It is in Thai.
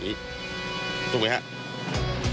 มีความรู้สึกว่ามีความรู้สึกว่า